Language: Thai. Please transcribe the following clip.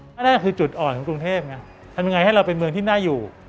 นั่นคือจุดอ่อนของกรุงเทพไงทำยังไงให้เราเป็นเมืองที่น่าอยู่